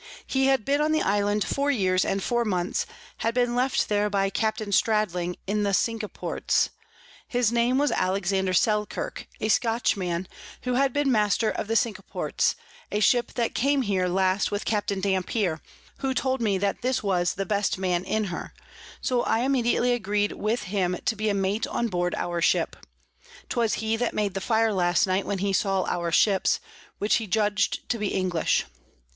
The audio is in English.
He had been on the Island four Years and four Months, being left there by Capt. Stradling in the Cinque Ports; his Name was Alexander Selkirk a Scotch Man, who had been Master of the Cinque Ports, a Ship that came here last with Capt. Dampier, who told me that this was the best Man in her; so I immediately agreed with him to be a Mate on board our Ship. 'Twas he that made the Fire last night when he saw our Ships, which he judg'd to be English.